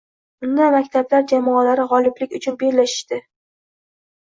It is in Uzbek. Unda maktablar jamoalari gʻoliblik uchun bellashishdi